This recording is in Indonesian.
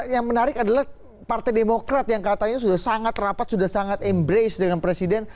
yang menarik adalah partai demokrat yang katanya sudah sangat rapat sudah sangat embrace dengan presiden